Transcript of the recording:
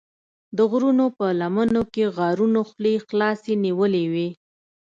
د غرونو په لمنو کې غارونو خولې خلاصې نیولې وې.